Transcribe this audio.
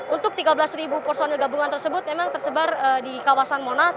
untuk tiga belas personil gabungan tersebut memang tersebar di kawasan monas